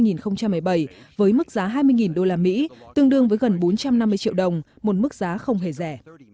có thể sẽ được bán ra thị trường vào tháng sáu năm hai nghìn một mươi bảy với mức giá hai mươi usd tương đương với gần bốn trăm năm mươi triệu đồng một mức giá không hề rẻ